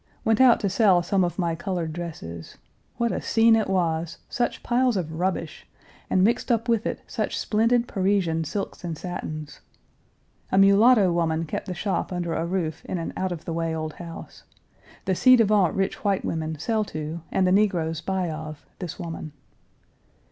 Went out to sell some of my colored dresses. What a scene it was such piles of rubbish, and mixed up with it, such splendid Parisian silks and satins. A mulatto woman kept the shop under a roof in an out of the way old house. The ci devant rich white women sell to, and the negroes buy of, this woman.